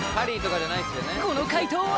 この快答は